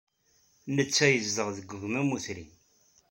Netta yezdeɣ deg wegmam utrim.